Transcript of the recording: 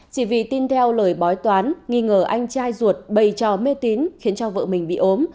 chỉ vì tin theo lời bói toán nghi ngờ anh trai ruột bày trò mê tín khiến cho vợ mình bị ốm